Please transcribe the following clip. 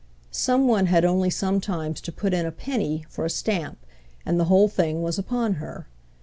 Some one had only sometimes to put in a penny for a stamp and the whole thing was upon her.